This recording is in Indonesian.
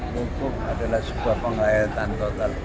wukuf adalah sebuah penggayaan yang total